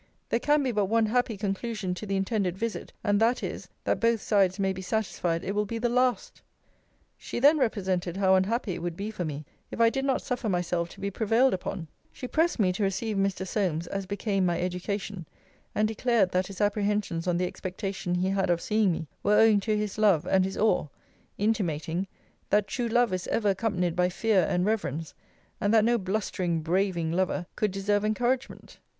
There can be but one happy conclusion to the intended visit; and that is, That both sides may be satisfied it will be the last. She then represented how unhappy it would be for me, if I did not suffer myself to be prevailed upon: she pressed me to receive Mr. Solmes as became my education: and declared, that his apprehensions on the expectation he had of seeing me, were owing to his love and his awe; intimating, That true love is ever accompanied by fear and reverence; and that no blustering, braving lover could deserve encouragement.